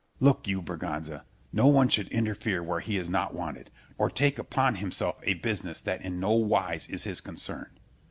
Scip. Look you, Berganza, no one should interfere where he is not wanted, nor take upon himself a business that in no wise is his concern.